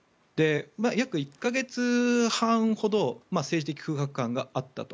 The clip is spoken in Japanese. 約１か月半ほど政治的空白があったと。